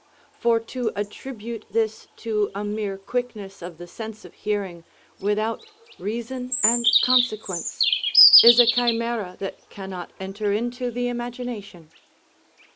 For to attribute this to a mere quickness of the sense of hearing, without reason and consequence, is a chimæra that cannot enter into the imagination.